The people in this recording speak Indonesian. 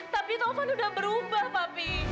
tapi taufan udah berubah tapi